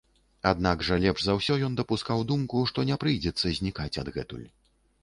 Аднак жа лепш за ўсё ён дапускаў думку, што не прыйдзецца знікаць адгэтуль.